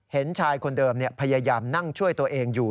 เห็นชายคนเดิมพยายามนั่งช่วยตัวเองอยู่